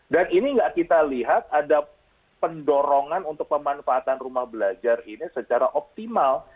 ini nggak kita lihat ada pendorongan untuk pemanfaatan rumah belajar ini secara optimal